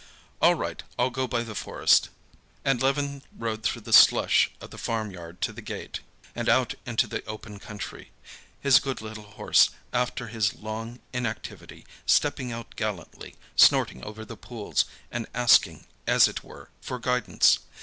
"All right, I'll go by the forest." And Levin rode through the slush of the farmyard to the gate and out into the open country, his good little horse, after his long inactivity, stepping out gallantly, snorting over the pools, and asking, as it were, for guidance.